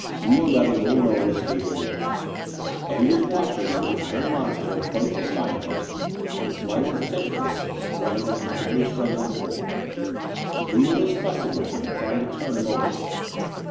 Lina let a little moan escape her lips. Eddie was watching as the iron monster approached the scientist and flung its tentacles around his madly struggling form. Lina was fussing with him, trying to turn him over.